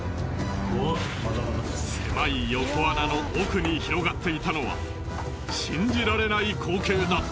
狭い横穴の奥に広がっていたのは信じられない光景だった。